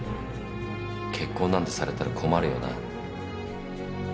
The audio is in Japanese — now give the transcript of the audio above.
結婚なんてされたら困るよな。